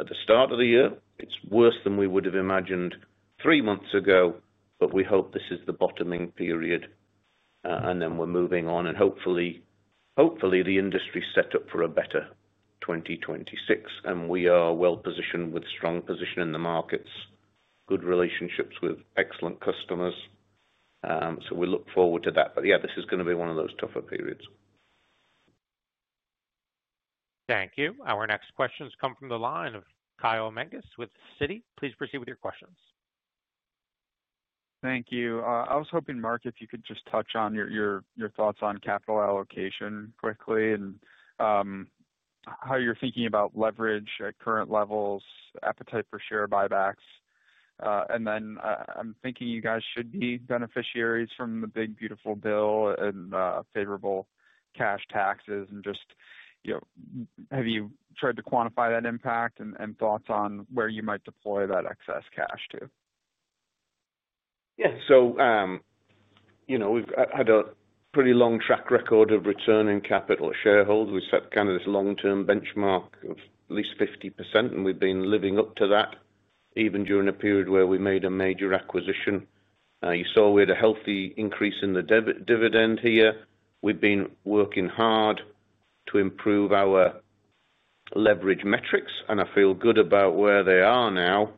[SPEAKER 4] at the start of the year. It's worse than we would have imagined three months ago. We hope this is the bottoming period and then we're moving on. Hopefully the industry is set up for a better 2026 and we are well positioned with strong position in the markets, good relationships with excellent customers. We look forward to that. This is going to be one of those tougher periods.
[SPEAKER 1] Thank you. Our next questions come from the line of Kyle Menges with Citi. Please proceed with your questions.
[SPEAKER 11] Thank you. I was hoping, Mark, if you could just touch on your thoughts on capital allocation quickly and how you're thinking about leverage at current levels, appetite for share buybacks, and then I'm thinking you guys should be beneficiaries from the big beautiful bill and favorable cash taxes. Have you tried to quantify that impact and thoughts on where you might deploy that excess cash to? Yeah.
[SPEAKER 4] We've had a pretty long track record of returning capital to shareholders. We set kind of this long-term benchmark of at least 50% and we've been living up to that even during a period where we made a major acquisition. You saw we had a healthy increase in the dividend here. We've been working hard to improve our leverage metrics, and I feel good about where they are now.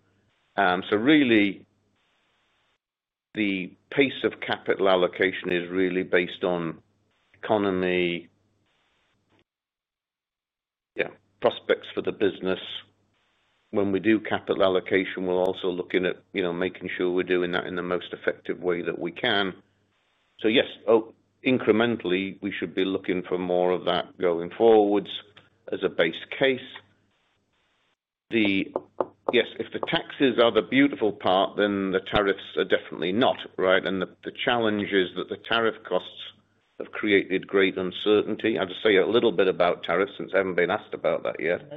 [SPEAKER 4] The pace of capital allocation is really based on the economy. Yeah. Prospects for the business. When we do capital allocation, we're also looking at, you know, making sure we're doing that in the most effective way that we can. Yes, incrementally, we should be looking for more of that going forwards as a base case. Yes. If the taxes are the beautiful part, then the tariffs are definitely not right. The challenge is that the tariff costs have created great uncertainty. I'll just say a little bit about tariffs since I haven't been asked about that yet,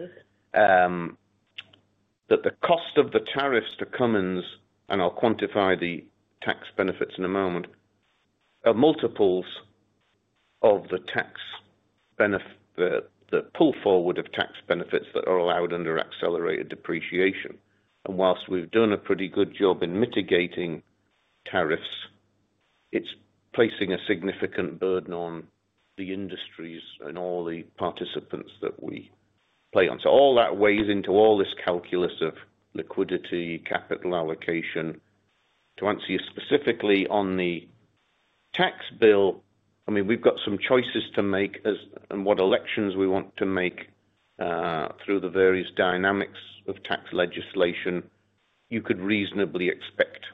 [SPEAKER 4] that the cost of the tariffs to Cummins Inc., and I'll quantify the tax benefits in a moment, are multiples of the tax benefit, the pull forward of tax benefits that are allowed under accelerated depreciation. Whilst we've done a pretty good job in mitigating tariffs, it's placing a significant burden on the industries and all the participants that we play on. All that weighs into all this calculus of liquidity capital allocation. To answer you specifically on the tax bill, we've got some choices to make and what elections we want to make through the various dynamics of tax legislation. You could reasonably expect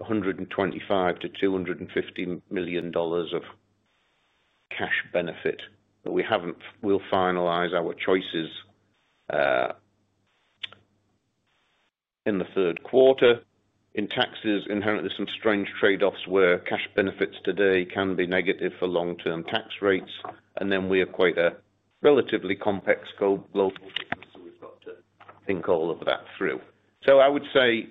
[SPEAKER 4] $125 million-$250 million of cash benefit, but we haven't finalized our choices in the third quarter. In taxes, inherently some strange trade offs where cash benefits today can be negative for long term tax rates. We are quite a relatively complex global business so we've got to think all of that through. I would say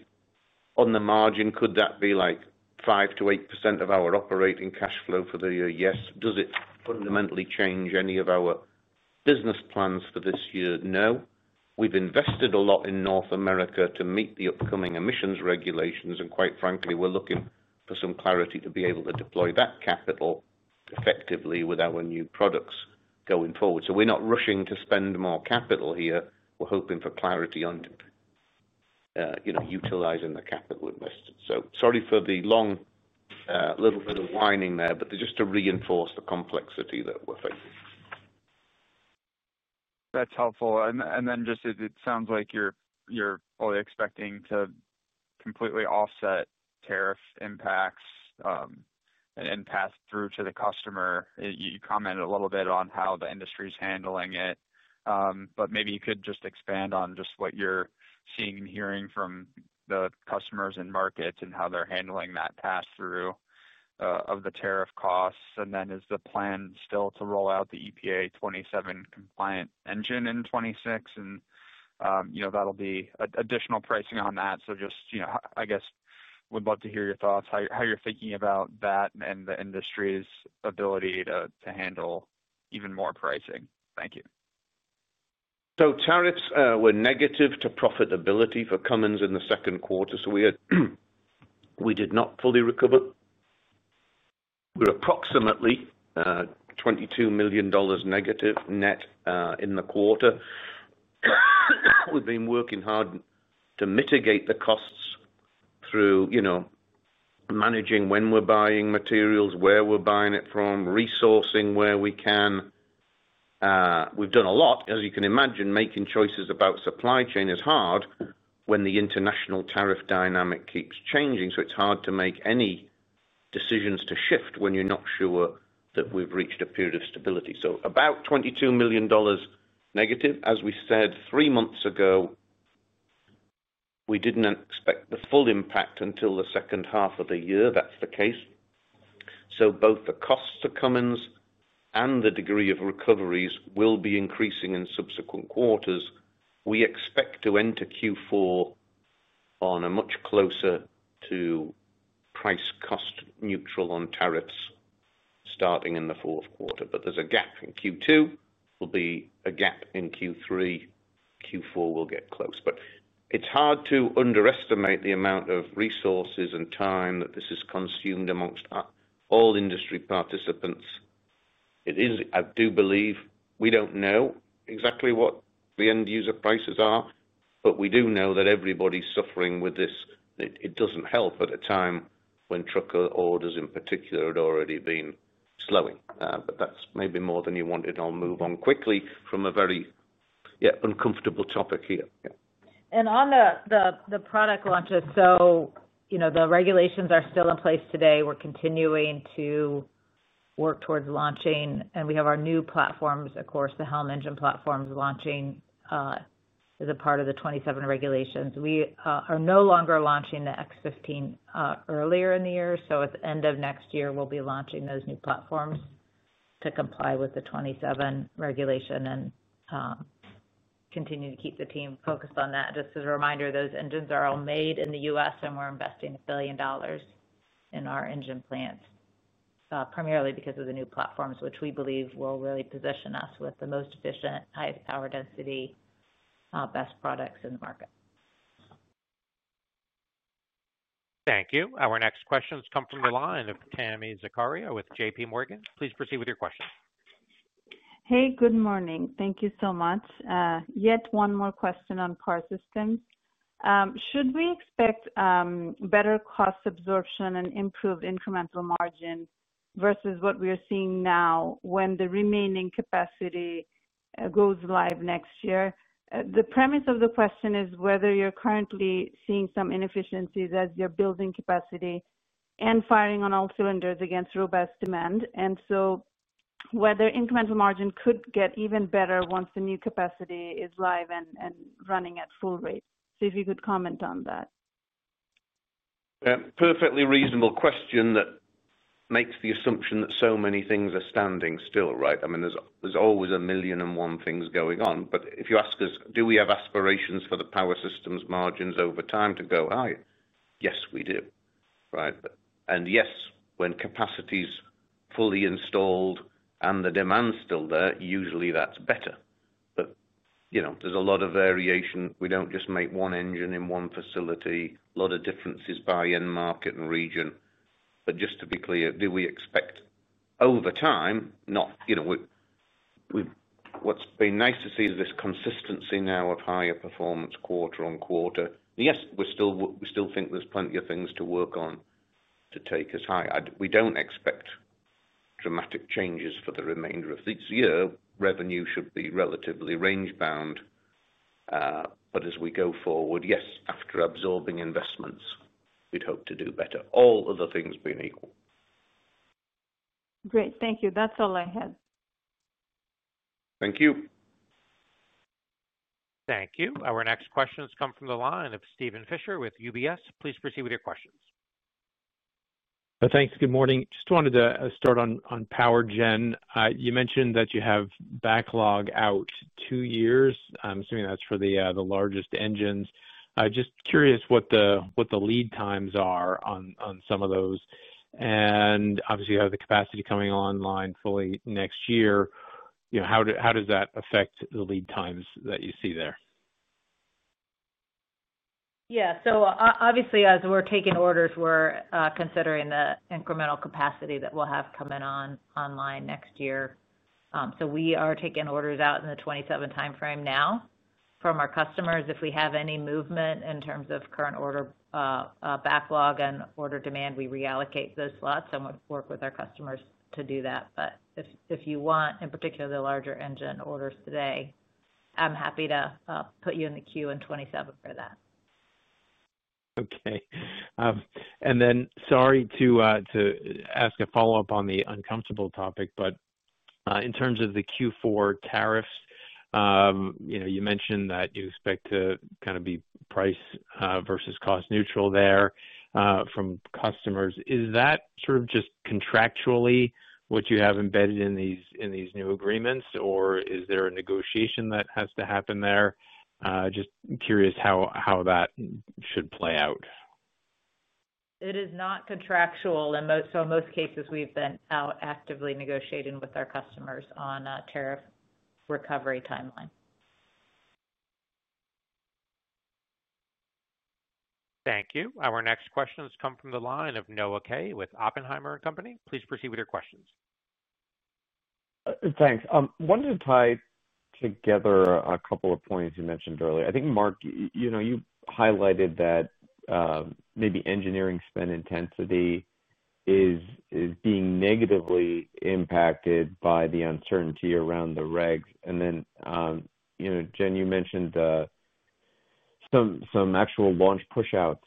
[SPEAKER 4] on the margin, could that be like 5%-8% of our operating cash flow for the year? Yes. Does it fundamentally change any of our business plans for this year? No. We've invested a lot in North America to meet the upcoming emissions regulations and quite frankly we're looking for some clarity to be able to deploy that capital effectively with our new products going forward. We're not rushing to spend more capital here. We're hoping for clarity on utilizing the capital. Sorry for the long little bit of whining there, but just to reinforce the complexity that we're facing.
[SPEAKER 2] That's helpful. It sounds like you're fully expecting to completely offset tariff impacts and pass through to the customer. You commented a little bit on how the industry's handling it, but maybe you could just expand on what you're seeing and hearing from the customers and markets and how they're handling that pass through of the tariff costs. Is the plan still to roll out the EPA 2027 compliant engine in 2026, and you know that'll be additional pricing on that. I guess would love to hear your thoughts on how you're thinking about that and the industry's ability to handle even more pricing. Thank you.
[SPEAKER 4] Tariffs were negative to profitability for Cummins Inc. in the second quarter. We did not fully recover. We're approximately $22 million negative net in the quarter. We've been working hard to mitigate the costs through managing when we're buying materials, where we're buying it from, resourcing where we can. We've done a lot. As you can imagine, making choices about supply chain is hard when the international tariff dynamic keeps changing. It's hard to make any decisions to shift when you're not sure that we've reached a period of stability. About $22 million negative. As we said three months ago, we didn't expect the full impact until the second half of the year. That's the case. Both the costs of Cummins Inc. and the degree of recoveries will be increasing in subsequent quarters. We expect to enter Q4 much closer to price cost neutral on tariffs starting in the fourth quarter. There's a gap in Q2 and there will be a gap in Q3. Q4 will get close. It's hard to underestimate the amount of resources and time that this has consumed amongst all industry participants. I do believe we don't know exactly what the end user prices are, but we do know that everybody's suffering with this. It doesn't help at a time when trucker orders in particular had already been slowing. That's maybe more than you wanted. I'll move on quickly from a very.
[SPEAKER 3] Uncomfortable topic here and on the product launches. The regulations are still in place today. We're continuing to work towards launching and we have our new platforms, of course, the HELM engine platforms. Launching as a part of the 2027 regulations, we are no longer launching the X15 earlier in the year. At the end of next year, we'll be launching those new platforms to comply with the 2027 regulation and continue to keep the team focused on that. Just as a reminder, those engines are all made in the U.S. and we're investing $1 billion in our engine plants primarily because of the new platforms, which we believe will really position us with the most efficient, highest power density, best products in the market.
[SPEAKER 1] Thank you. Our next questions come from the line of Tami Zakaria with JPMorgan. Please proceed with your question.
[SPEAKER 12] Hey, good morning. Thank you so much. Yet one more question on Parsis. Should we expect better cost absorption and improved incremental margin versus what we are seeing now when the remaining capacity goes live next year? The premise of the question is whether you're currently seeing some inefficiencies as you're building capacity and firing on all cylinders against robust demand, and whether incremental margin could get even better once the new capacity is live and running at full rate. If you could comment on that.
[SPEAKER 4] Perfectly reasonable question that makes the assumption that so many things are standing still. Right. I mean there's always a million and one things going on. If you ask us, do we have aspirations for the power systems margins over time to go high? Yes, we do. Yes, when capacity is fully installed and the demand is still there, usually that's better. You know, there's a lot of variation. We don't just make one engine in one facility. A lot of differences by end market and region. Just to be clear, do we expect over time not. You know what's been nice to see is this consistency now of higher performance quarter on quarter. Yes, we still think there's plenty of things to work on to take us high. We don't expect dramatic changes for the remainder of this year. Revenue should be relatively range bound. As we go forward, yes, after absorbing investments, we'd hope to do better, all other things being equal.
[SPEAKER 12] Great, thank you. That's all I had.
[SPEAKER 4] Thank you.
[SPEAKER 1] Thank you. Our next questions come from the line of Stephen Fisher with UBS. Please proceed with your questions.
[SPEAKER 13] Thanks. Good morning. Just wanted to start on Power Gen. You mentioned that you have backlog out two years. I'm assuming that's for the largest engines. Just curious what the lead times are on some of those, and obviously you have the capacity coming online fully next year. How does that affect the lead times? That you see there?
[SPEAKER 3] Obviously, as we're taking orders, we're considering the incremental capacity that we'll have coming online next year. We are taking orders out in the 2027 time frame now from our customers. If we have any movement in terms of current order backlog and order demand, we reallocate those slots and work with our customers to do that. If you want in particular the larger engine orders today, I'm happy to put you in the queue in 2027 for that.
[SPEAKER 13] Okay. Sorry to ask a follow up on the uncomfortable topic, but in terms of the Q4 tariffs, you mentioned that you expect to kind of be price versus cost neutral there from customers. Is that just contractually what you have embedded in these new agreements, or is there a negotiation that has to happen there? Just curious how that should play out.
[SPEAKER 3] It is not contractual. In most cases we've been out actively negotiating with our customers on tariff recovery timeline.
[SPEAKER 1] Thank you. Our next questions come from the line of Noah Kaye with Oppenheimer & Co. Inc. Please proceed with your questions.
[SPEAKER 14] Thanks. Wanted to tie together a couple of points you mentioned earlier. I think, Mark, you highlighted that maybe engineering spend intensity is being negatively impacted by the uncertainty around the regs. Jen, you mentioned some actual launch pushouts.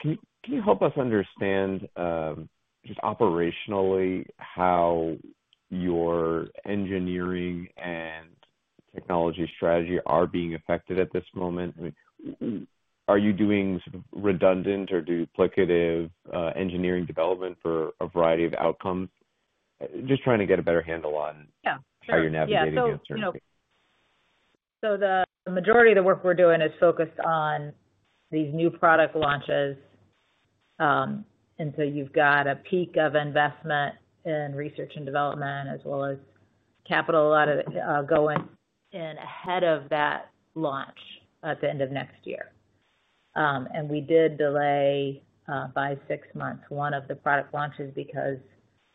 [SPEAKER 14] Can you help us understand just operationally how your engineering and technology strategy are being affected at this moment? Are you doing redundant or duplicative engineering development for a variety of outcomes, just trying to get a better handle on how you're navigating.
[SPEAKER 3] The majority of the work we're doing is focused on these new product launches. You've got a peak of investment in research and development as well as capital going in ahead of that launch at the end of next year. We did delay by six months one of the product launches because,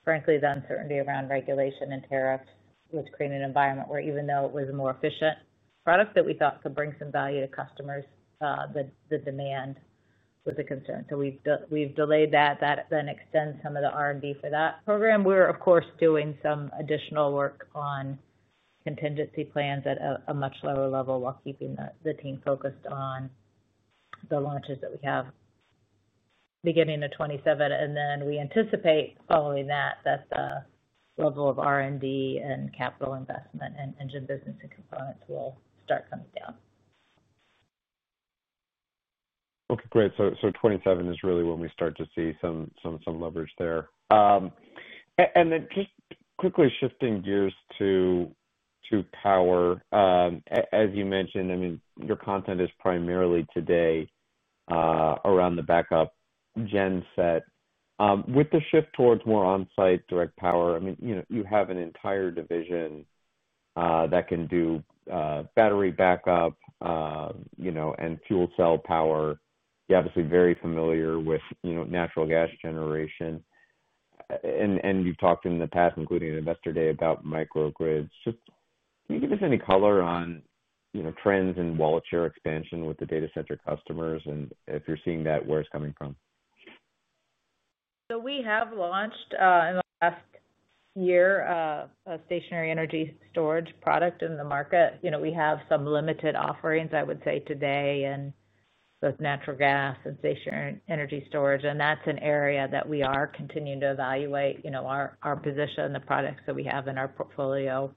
[SPEAKER 3] frankly, the uncertainty around regulation and tariffs was creating an environment where, even though it was more efficient products that we thought could bring some value to customers, the demand was the concern. We've delayed that. That then extends some of the R&D for that program. We're of course doing some additional work on contingency plans at a much lower level while keeping the team focused on the launches that we have beginning of 2027. We anticipate following that, that the level of R&D and capital investment in engine business and components will start coming down.
[SPEAKER 14] Okay, great. Twenty-seven is really when we. Start to see some leverage there and then just quickly shifting gears to power, as you mentioned. I mean, your content is primarily today around the backup gen set. With the shift towards more on-site direct power, you have an entire division that can do battery backup and fuel cell power. You're obviously very familiar with natural gas generation and you've talked in the past including Investor Day about micro grids. Just can you give us any color on trends in wallet share expansion with the data center customers and if you're seeing that, where it's coming from.
[SPEAKER 3] We have launched in the last year a stationary energy storage product in the market. We have some limited offerings, I would say, today in both natural gas and stationary energy storage. That's an area that we are continuing to evaluate—our position, the products that we have in our portfolio,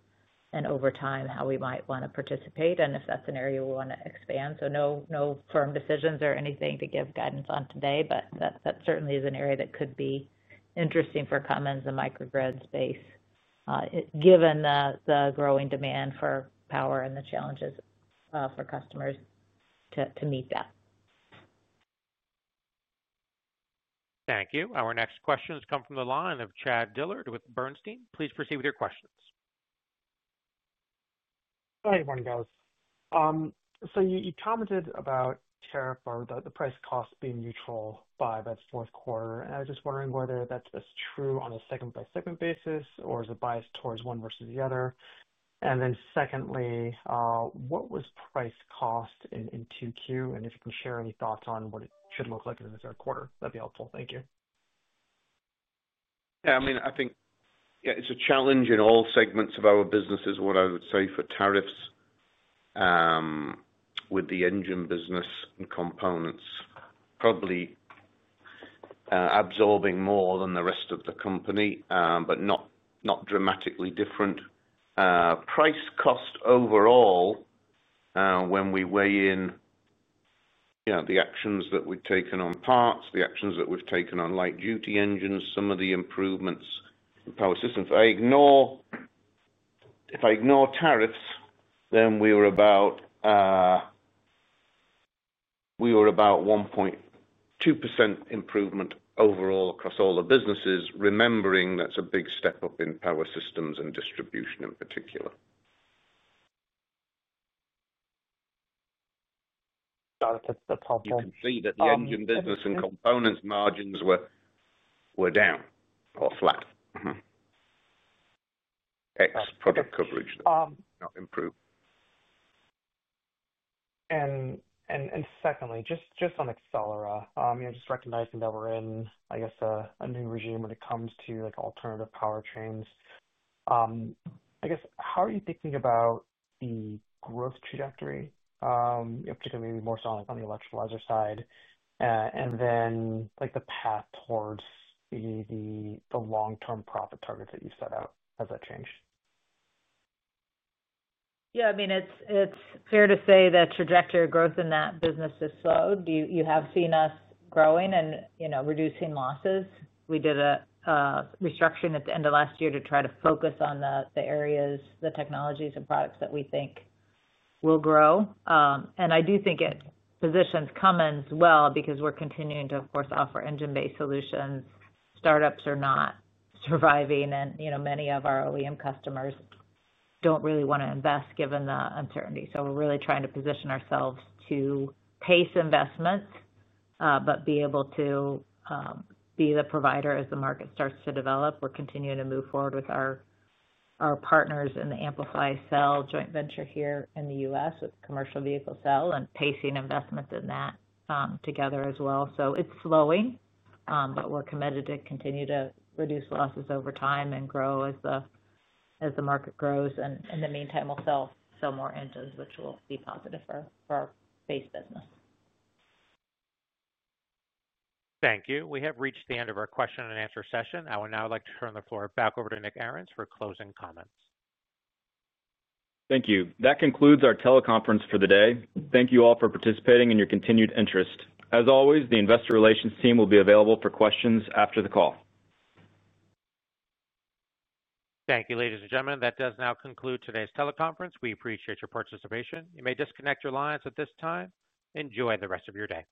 [SPEAKER 3] and over time how we might want to participate and if that's an area we want to expand. No firm decisions or anything to give guidance on today, but that certainly is an area that could be interesting for Cummins, the microgrid space, given the growing demand for power and the challenges for customers to meet that.
[SPEAKER 1] Thank you. Our next question has come from the line of Chad Dillard with Bernstein. Please proceed with your questions.
[SPEAKER 15] All right. Morning guys. You commented about tariff or the price cost being neutral by the fourth quarter, and I was just wondering whether that's true on a segment by segment basis or is it biased towards one versus the other. Secondly, what was price cost in 2Q, and if you can share any thoughts on what it should look like in the third quarter, that'd be helpful. Thank you.
[SPEAKER 4] Yeah, I mean, I think it's a challenge in all segments of our businesses. What I would say for tariffs. With. The engine business and components probably absorbing more than the rest of the company, but not dramatically different price cost overall when we weigh in. The actions that we've taken on parts, the actions that we've taken on light duty engines, some of the improvements in power systems, if I ignore tariffs, then we were about. We. We're about 1.2% improvement overall across all the businesses. Remembering that's a big step up in Power Systems and Distribution in particular. You can see that the Engine business and Components margins were down or flat. X product coverage not improve.
[SPEAKER 15] Secondly, just on Accelera, just recognizing that we're in, I guess, a new regime when it comes to alternative powertrains. I guess, how are you thinking about the growth trajectory, maybe more so on the electrolyzer side, and then the path towards the long term profit targets that you set out, has that changed?
[SPEAKER 3] Yeah, I mean it's fair to say that trajectory of growth in that business has slowed. You have seen us growing and reducing losses. We did a restructuring at the end of last year to try to focus on the areas, the technologies, and products that we think will grow. I do think it positions Cummins Inc. well because we're continuing to of course offer engine-based solutions. Startups are not surviving and many of our OEM customers don't really want to invest given the uncertainty. We're really trying to position ourselves to pace investments but be able to be the provider as the market starts to develop. We're continuing to move forward with our partners in the Amplify Cell joint venture here in the U.S. with commercial vehicle, cell, and pacing investment in that together as well. It's slowing but we're committed to continue to reduce losses over time and grow as the market grows. In the meantime, we'll sell some more engines which will be positive for our base business.
[SPEAKER 1] Thank you. We have reached the end of our question and answer session. I would now like to turn the floor back over to Nick Arens for closing comments.
[SPEAKER 2] Thank you. That concludes our teleconference for the day. Thank you all for participating and your continued interest. As always, the Investor Relations team will be available for questions after the call.
[SPEAKER 1] Thank you. Ladies and gentlemen, that does now conclude today's teleconference. We appreciate your participation. You may disconnect your lines at this time. Enjoy the rest of your day.